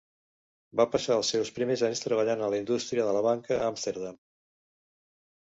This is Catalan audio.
Va passar els seus primers anys treballant a la indústria de la banca a Amsterdam.